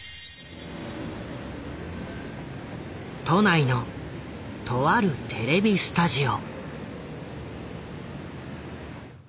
都内のとあるテレビスタジオ。